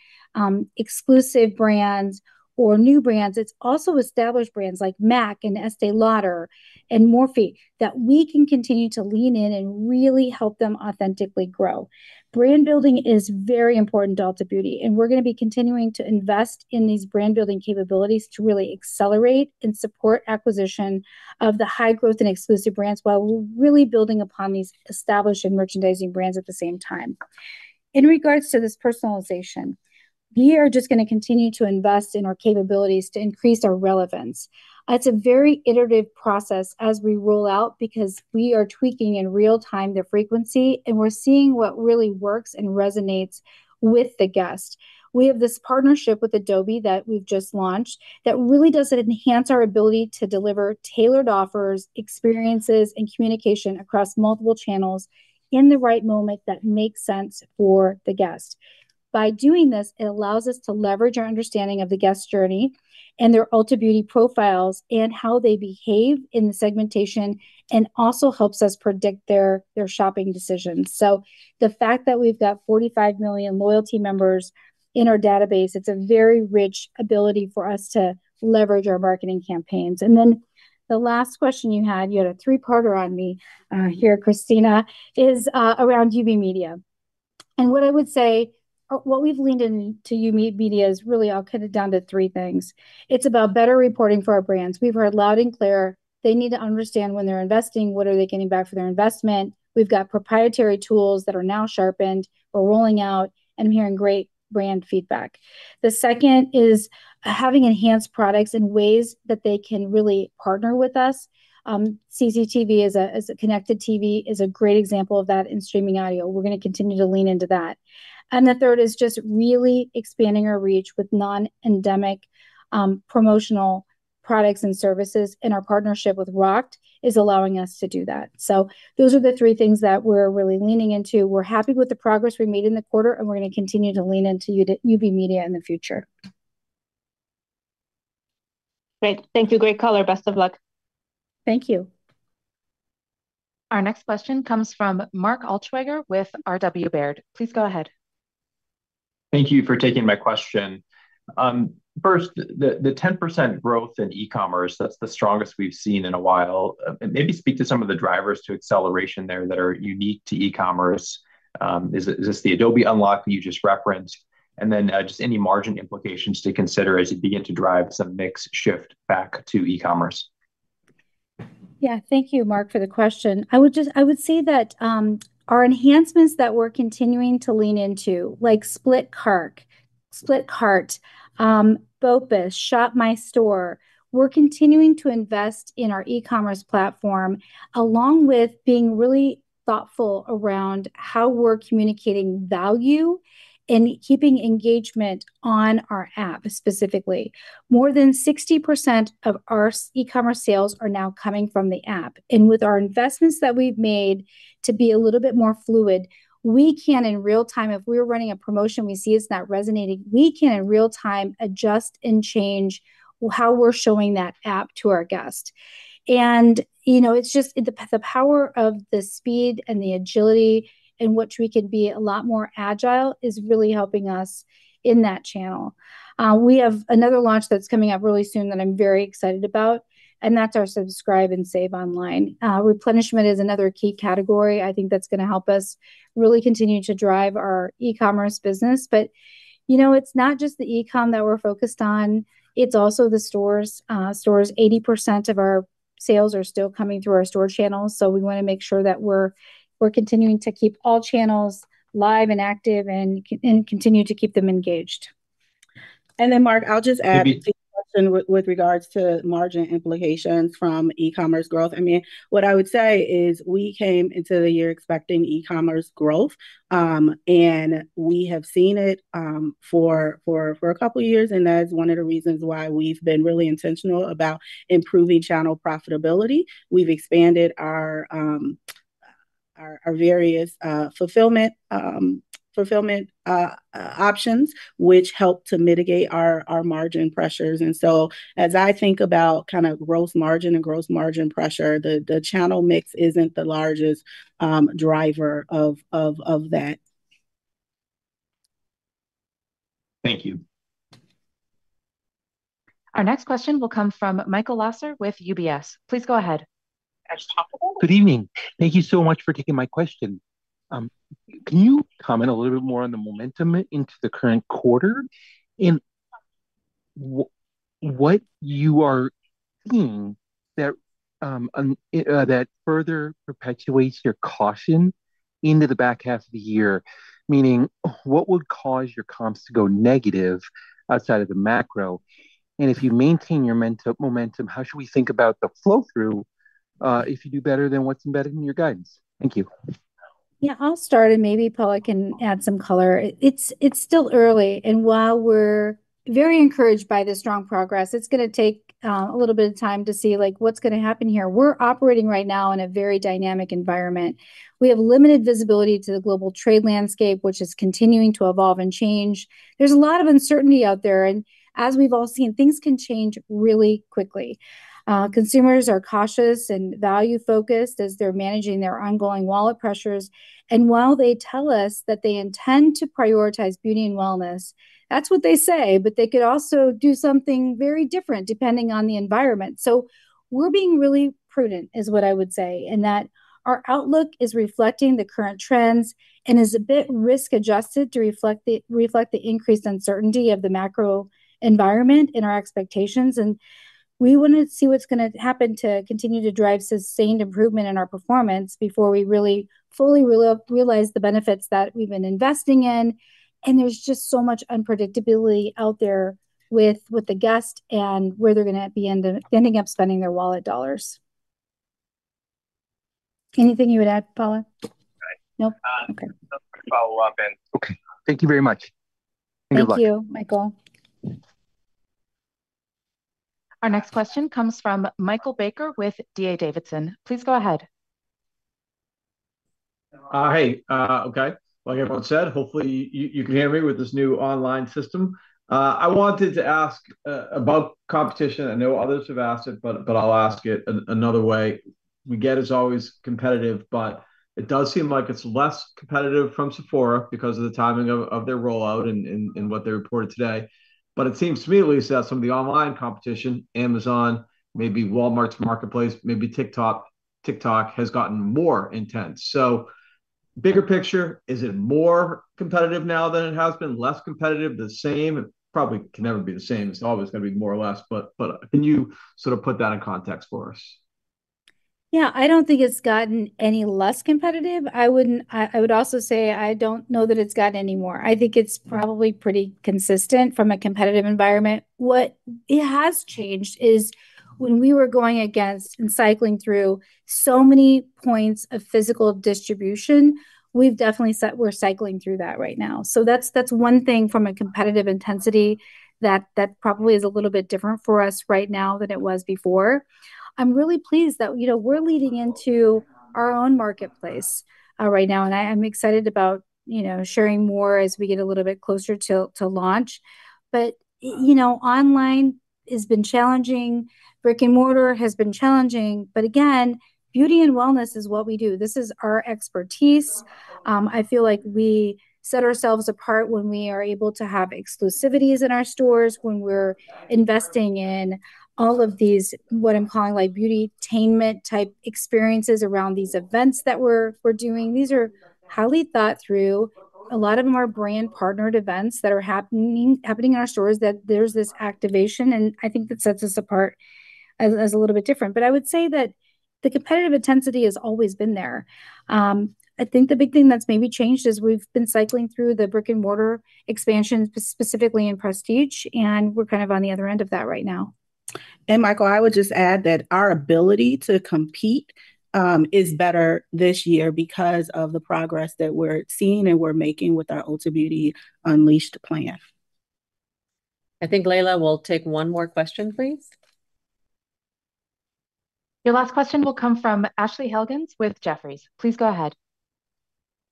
exclusive brands or new brands. It's also established brands like MAC and Estée Lauder and Morphe that we can continue to lean in and really help them authentically grow. Brand building is very important to Ulta Beauty, and we're going to be continuing to invest in these brand building capabilities to really accelerate and support acquisition of the high growth and exclusive brands while we're really building upon these established and merchandising brands at the same time. In regards to this personalization, we are just going to continue to invest in our capabilities to increase our relevance. It's a very iterative process as we roll out because we are tweaking in real time the frequency and we're seeing what really works and resonates with the guest. We have this partnership with Adobe that we've just launched that really does enhance our ability to deliver tailored offers, experiences, and communication across multiple channels in the right moment that makes sense for the guest. By doing this, it allows us to leverage our understanding of the guest journey and their Ulta Beauty profiles and how they behave in the segmentation and also helps us predict their shopping decisions. The fact that we have 45 million loyalty members in our database, it is a very rich ability for us to leverage our marketing campaigns. The last question you had, you had a three-parter on me here, Krisztina, is around UB Media. What I would say, what we have leaned into UB Media is really, I will cut it down to three things. It is about better reporting for our brands. We have heard loud and clear. They need to understand when they are investing, what are they getting back for their investment. We have proprietary tools that are now sharpened. We are rolling out and hearing great brand feedback. The second is having enhanced products and ways that they can really partner with us. CGTV as a connected TV is a great example of that in streaming audio. We're going to continue to lean into that. The third is just really expanding our reach with non-endemic promotional products and services, and our partnership with ROCT is allowing us to do that. Those are the three things that we're really leaning into. We're happy with the progress we made in the quarter, and we're going to continue to lean into Yubi Media in the future. Great. Thank you. Great color. Best of luck. Thank you. Our next question comes from Mark Altschwager with RW Baird. Please go ahead. Thank you for taking my question. First, the 10% growth in e-commerce, that's the strongest we've seen in a while. Maybe speak to some of the drivers to acceleration there that are unique to e-commerce. Is this the Adobe unlock that you just referenced? And then just any margin implications to consider as you begin to drive some mix shift back to e-commerce? Yeah, thank you, Mark, for the question. I would just say that our enhancements that we're continuing to lean into, like Split Cart, Split Cart, Bopus, Shop My Store, we're continuing to invest in our e-commerce platform along with being really thoughtful around how we're communicating value and keeping engagement on our app specifically. More than 60% of our e-commerce sales are now coming from the app. With our investments that we've made to be a little bit more fluid, we can in real time, if we're running a promotion, we see is not resonating, we can in real time adjust and change how we're showing that app to our guest. You know, it's just the power of the speed and the agility and which we can be a lot more agile is really helping us in that channel. We have another launch that's coming up really soon that I'm very excited about, and that's our subscribe and save online. Replenishment is another key category. I think that's going to help us really continue to drive our e-commerce business. You know, it's not just the e-com that we're focused on. It's also the stores. Stores, 80% of our sales are still coming through our store channels. We want to make sure that we're continuing to keep all channels live and active and continue to keep them engaged. Mark, I'll just add a question with regards to margin implications from e-commerce growth. I mean, what I would say is we came into the year expecting e-commerce growth, and we have seen it for a couple of years. That's one of the reasons why we've been really intentional about improving channel profitability. We've expanded our various fulfillment options, which help to mitigate our margin pressures. As I think about kind of gross margin and gross margin pressure, the channel mix isn't the largest driver of that. Thank you. Our next question will come from Michael Lasser with UBS. Please go ahead. Good evening. Thank you so much for taking my question. Can you comment a little bit more on the momentum into the current quarter and what you are seeing that further perpetuates your caution into the back half of the year, meaning what would cause your comps to go negative outside of the macro? If you maintain your momentum, how should we think about the flow-through if you do better than what's embedded in your guidance? Thank you. Yeah, I'll start and maybe Paula can add some color. It's still early. While we're very encouraged by the strong progress, it's going to take a little bit of time to see what's going to happen here. We're operating right now in a very dynamic environment. We have limited visibility to the global trade landscape, which is continuing to evolve and change. There's a lot of uncertainty out there. As we've all seen, things can change really quickly. Consumers are cautious and value-focused as they're managing their ongoing wallet pressures. While they tell us that they intend to prioritize beauty and wellness, that's what they say, but they could also do something very different depending on the environment. We are being really prudent is what I would say, and our outlook is reflecting the current trends and is a bit risk-adjusted to reflect the increased uncertainty of the macro environment in our expectations. We want to see what's going to happen to continue to drive sustained improvement in our performance before we really fully realize the benefits that we've been investing in. There is just so much unpredictability out there with the guest and where they're going to be ending up spending their wallet dollars. Anything you would add, Paula? Nope. Okay. I'll follow up in. Okay. Thank you very much. Thank you. Thank you, Michael. Our next question comes from Michael Baker with D.A. Davidson. Please go ahead. Hi. Okay. Like everyone said, hopefully you can hear me with this new online system. I wanted to ask about competition. I know others have asked it, but I'll ask it another way. We get it's always competitive, but it does seem like it's less competitive from Sephora because of the timing of their rollout and what they reported today. It seems to me, at least, that some of the online competition, Amazon, maybe Walmart's marketplace, maybe TikTok, TikTok has gotten more intense. Bigger picture, is it more competitive now than it has been? Less competitive? The same? It probably can never be the same. It's always going to be more or less. Can you sort of put that in context for us? Yeah, I do not think it has gotten any less competitive. I would also say I do not know that it has gotten any more. I think it is probably pretty consistent from a competitive environment. What has changed is when we were going against and cycling through so many points of physical distribution, we have definitely said we are cycling through that right now. That is one thing from a competitive intensity that probably is a little bit different for us right now than it was before. I am really pleased that we are leading into our own marketplace right now. I am excited about sharing more as we get a little bit closer to launch. Online has been challenging. Brick and mortar has been challenging. Again, beauty and wellness is what we do. This is our expertise. I feel like we set ourselves apart when we are able to have exclusivities in our stores, when we're investing in all of these what I'm calling beautytainment type experiences around these events that we're doing. These are highly thought through. A lot of them are brand partnered events that are happening in our stores that there's this activation. I think that sets us apart as a little bit different. I would say that the competitive intensity has always been there. I think the big thing that's maybe changed is we've been cycling through the brick and mortar expansion, specifically in Prestige, and we're kind of on the other end of that right now. Michael, I would just add that our ability to compete is better this year because of the progress that we're seeing and we're making with our Ulta Beauty Unleashed plan. I think Leila will take one more question, please. Your last question will come from Ashley Helgans with Jefferies. Please go ahead.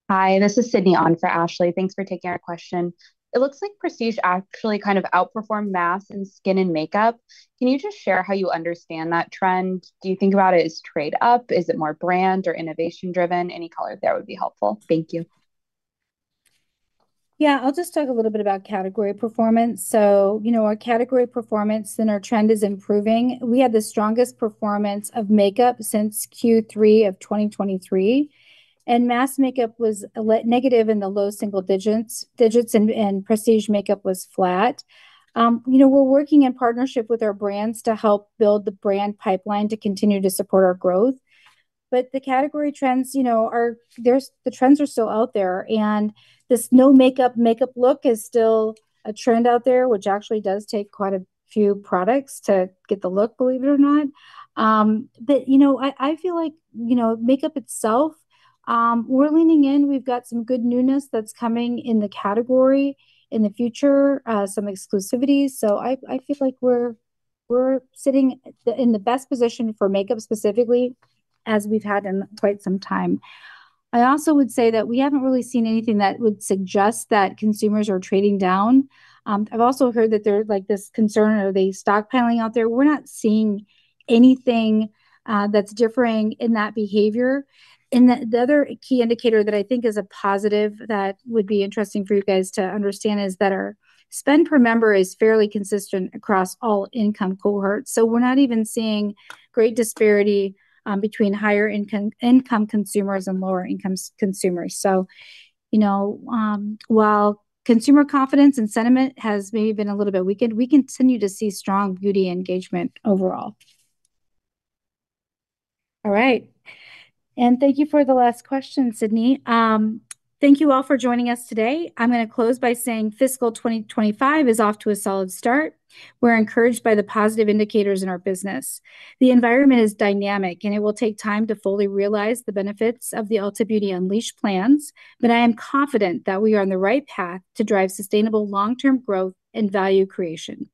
Hi, this is Sydney on for Ashley. Thanks for taking our question. It looks like Prestige actually kind of outperformed mass in skin and makeup. Can you just share how you understand that trend? Do you think about it as trade-up? Is it more brand or innovation-driven? Any color there would be helpful. Thank you. Yeah, I'll just talk a little bit about category performance. Our category performance and our trend is improving. We had the strongest performance of makeup since Q3 of 2023. Mass makeup was negative in the low single digits, and Prestige makeup was flat. We're working in partnership with our brands to help build the brand pipeline to continue to support our growth. The category trends, the trends are still out there. This no makeup makeup look is still a trend out there, which actually does take quite a few products to get the look, believe it or not. I feel like makeup itself, we're leaning in. We've got some good newness that's coming in the category in the future, some exclusivity. I feel like we're sitting in the best position for makeup specifically as we've had in quite some time. I also would say that we haven't really seen anything that would suggest that consumers are trading down. I've also heard that there's this concern of the stockpiling out there. We're not seeing anything that's differing in that behavior. The other key indicator that I think is a positive that would be interesting for you guys to understand is that our spend per member is fairly consistent across all income cohorts. We're not even seeing great disparity between higher income consumers and lower income consumers. While consumer confidence and sentiment has maybe been a little bit weakened, we continue to see strong beauty engagement overall. All right. Thank you for the last question, Sydney. Thank you all for joining us today. I'm going to close by saying fiscal 2025 is off to a solid start. We're encouraged by the positive indicators in our business. The environment is dynamic, and it will take time to fully realize the benefits of the Ulta Beauty Unleashed plans. I am confident that we are on the right path to drive sustainable long-term growth and value creation.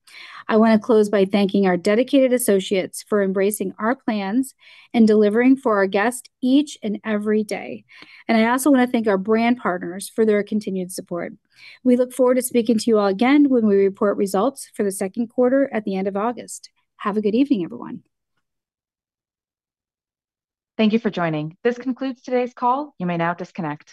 I want to close by thanking our dedicated associates for embracing our plans and delivering for our guests each and every day. I also want to thank our brand partners for their continued support. We look forward to speaking to you all again when we report results for the second quarter at the end of August. Have a good evening, everyone. Thank you for joining. This concludes today's call. You may now disconnect.